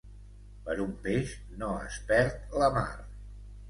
Per un peix no es perd la mar.